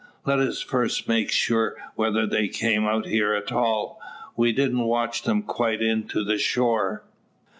"Let us first make sure whether they came out here at all. We didn't watch them quite in to the shore."